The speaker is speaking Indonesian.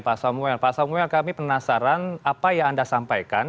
pak samuel kami penasaran apa yang anda sampaikan